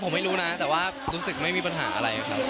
ผมไม่รู้นะแต่ว่ารู้สึกไม่มีปัญหาอะไรครับ